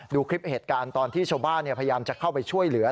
ดูคลิปเหตุการณ์ตอนที่ชาวบ้านพยายามจะเข้าไปช่วยเหลือ